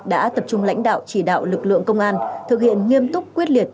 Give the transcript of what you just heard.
đã tập trung lãnh đạo chỉ đạo lực lượng công an thực hiện nghiêm túc quyết liệt